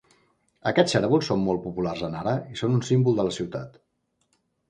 Aquests cérvols són molt populars a Nara i són un símbol de la ciutat.